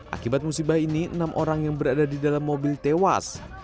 akibat musibah ini enam orang yang berada di dalam mobil tewas